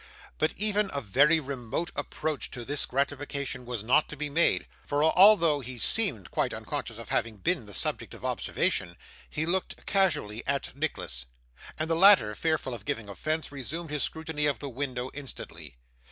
But, even a very remote approach to this gratification was not to be made, for although he seemed quite unconscious of having been the subject of observation, he looked casually at Nicholas; and the latter, fearful of giving offence, resumed his scrutiny of the window instantly.